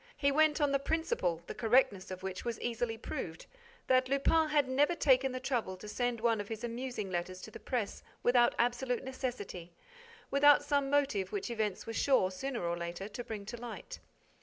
He went on the principle, the correctness of which was easily proved, that Lupin had never taken the trouble to send one of his amusing letters to the press without absolute necessity, without some motive which events were sure, sooner or later, to bring to light.